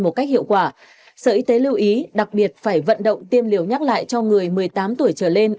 một cách hiệu quả sở y tế lưu ý đặc biệt phải vận động tiêm liều nhắc lại cho người một mươi tám tuổi trở lên